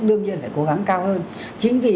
đương nhiên phải cố gắng cao hơn chính vì